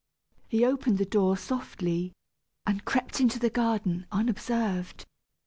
He opened the door softly, and crept into the garden unobserved.